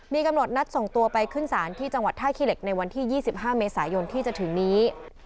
มีกำหนดนัดส่งตัวไปขึ้นศาลที่จังหวัดท่าขี้เหล็กในวันที่๒๕เมษายนที่จะถึงนี้